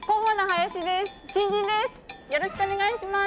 よろしくお願いします！